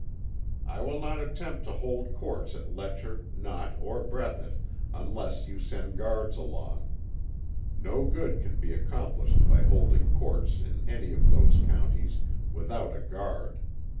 I will not attempt to hold courts at Letcher, Knott, or Breathitt unless you send guards along. No good can be accomplished by holding courts in any of those counties without a guard.